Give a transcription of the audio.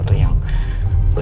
anda hanya mengambil